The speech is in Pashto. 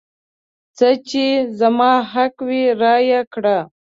څه چې زما حق وي رایې کړه.